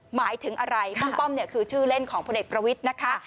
หมายถึงอะไรป้องป้อมเนี่ยคือชื่อเล่นของพลเอกประวิทย์นะคะ